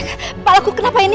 kepalaku kenapa ini